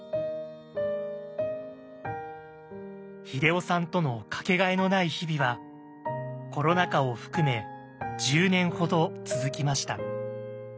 英夫さんとの掛けがえのない日々はコロナ禍を含め１０年ほど続きました。